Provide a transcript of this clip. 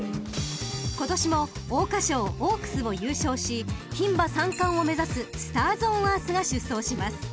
［今年も桜花賞オークスを優勝し牝馬三冠を目指すスターズオンアースが出走します］